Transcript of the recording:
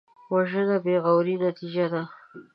وژنه د بېغورۍ نتیجه ده